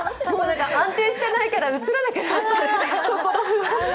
安定していないから映らなくなっちゃった。